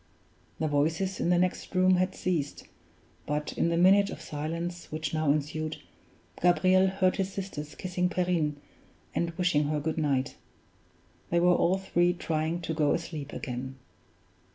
The voices in the next room had ceased; but in the minute of silence which now ensued, Gabriel heard his sisters kissing Perrine, and wishing her good night. They were all three trying to go asleep again.